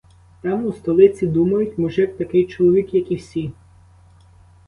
Там у столиці думають, мужик такий чоловік, як і всі.